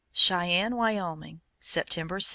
CHEYENNE, WYOMING, September 7.